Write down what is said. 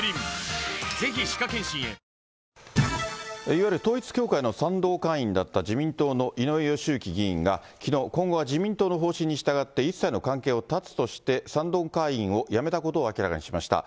いわゆる統一教会の賛同会員だった自民党の井上義行議員が、きのう、今後は自民党の方針に従って、一切の関係を断つとして賛同会員をやめたことを明らかにしました。